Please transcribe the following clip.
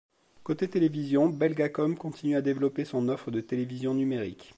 Côté télévision, Belgacom continue à développer son offre de télévision numérique.